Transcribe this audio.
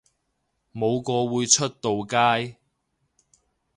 冇個會出到街